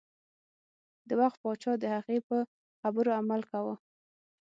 د وخت پاچا د هغې په خبرو عمل کاوه.